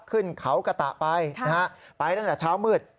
ขึ้นเขากระตะไปนะฮะไปตั้งแต่เช้ามืด